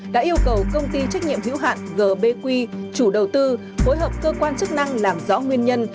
đã yêu cầu công ty trách nhiệm hữu hạn gbq chủ đầu tư phối hợp cơ quan chức năng làm rõ nguyên nhân